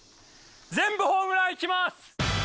全部ホームランいきます！